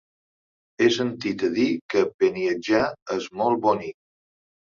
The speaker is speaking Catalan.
He sentit a dir que Beniatjar és molt bonic.